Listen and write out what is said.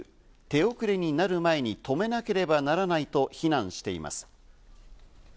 手遅れになる前に止めなければならないと非難しています。